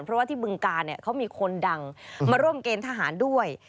เพราะว่าที่บึงกาลเขามีคนดังมาร่วมเกณฑ์ทหารด้วย